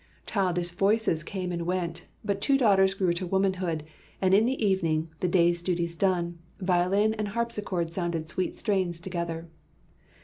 Childish voices came and went, but two daughters grew to womanhood, and in the evening, the day's duties done, violin and harpsichord sounded sweet strains together.